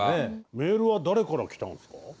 メールは誰から来たんですか？